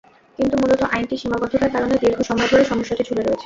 কিন্তু মূলত আইনটির সীমাবদ্ধতার কারণে দীর্ঘ সময় ধরে সমস্যাটি ঝুলে রয়েছে।